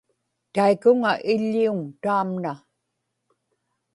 taikuŋa iḷḷiuŋ taamna